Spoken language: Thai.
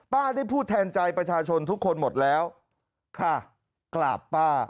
ได้พูดแทนใจประชาชนทุกคนหมดแล้วค่ะกราบป้า